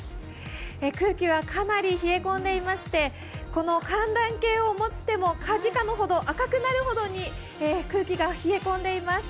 空気はかなり冷え込んでいまして、寒暖計を持ってもかじかむほど、赤くなるほどに空気が冷え込んでいます。